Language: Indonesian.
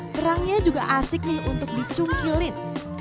kerangnya juga asik nih untuk dicungkilin